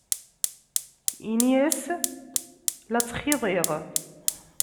Ini-as la ttxiḍiɣ.